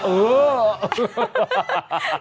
โอ๊ย